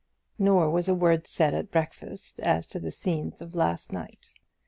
Not a word was said at breakfast as to the scenes of last night.